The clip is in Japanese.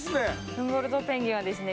フンボルトペンギンはですね